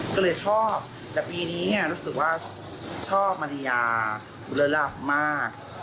ก็เลยชอบแต่ปีนี้รู้สึกว่าชอบมาริยาเลยหลับมาก